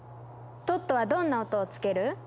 トットはどんな音をつける？